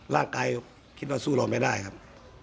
ร่างกายคิดว่าสู้เราไม่ได้ครับ